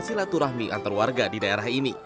silaturahmi antar warga di daerah ini